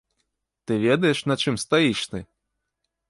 Ты ведаеш, на чым стаіш ты?!